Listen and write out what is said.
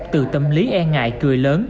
từ tâm lý e ngại cười lớn